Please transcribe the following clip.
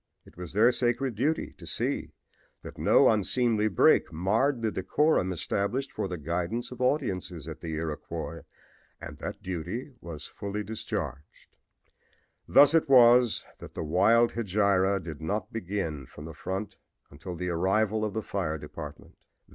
It was their sacred duty to see that no unseemly break marred the decorum established for the guidance of audiences at the Iroquois, and that duty was fully discharged. Thus it was that the wild hegira did not begin from the front until the arrival of the fire department.